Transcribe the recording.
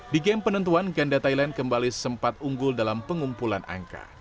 di game penentuan ganda thailand kembali sempat unggul dalam pengumpulan angka